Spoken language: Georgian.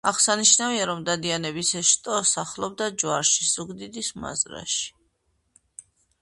აღსანშნავია, რომ დადიანების ეს შტო სახლობდა ჯვარში, ზუგდიდის მაზრაში.